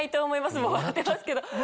もう笑ってますけど。